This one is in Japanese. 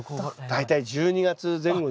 大体１２月前後ですね。